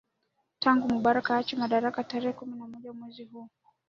tangu mubarak aachie madaraka tarehe kumi na moja mwezi huu